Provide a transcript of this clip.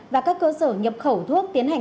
và các cơ sở nhập khẩu thuốc tiến hành